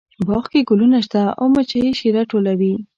باغ کې ګلونه شته او مچۍ یې شیره ټولوي